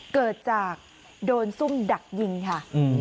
เกิดจากโดนซุ่มดักยิงค่ะ